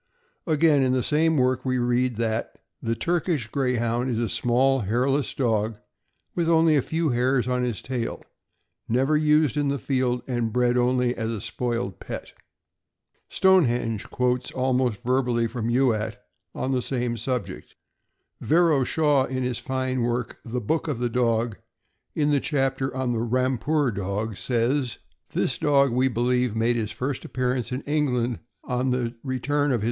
Again, in the same work, we read that '' the Turkish Greyhound is a small sized hairless dog, or with only a few hairs on his tail; never used in the field, and bred only as a spoiled pet." Stonehenge quotes almost verbally from Youatt on the same subject. Vero Shaw, in his fine work "The Book of the Dog," in the chapter on the "Rampur Dog," says: This dog, we believe, made his first appearance in England on the return of H. R.